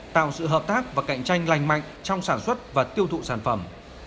tạo sự hợp tác và cạnh tranh lành mạnh trong sản xuất và tiêu thụ sản phẩm